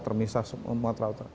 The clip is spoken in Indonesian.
termisah sumatera utara